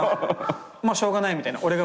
しょうがないみたいな。